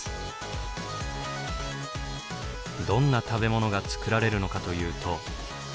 どんな食べ物が作られるのかというと。